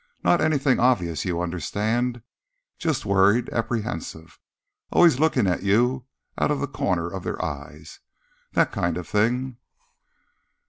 Not anything obvious, you understand. Just worried, apprehensive. Always looking at you out of the corners of their eyes. That kind of thing."